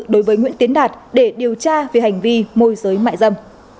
đối với nguyễn tiến đạt để điều tra về hành vi môi giới mại dâm